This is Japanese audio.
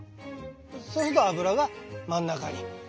そうすると油が真ん中にはまるわけ。